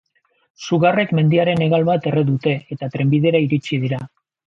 Sugarrek mendiaren hegal bat erre dute, eta trenbidera iritsi dira.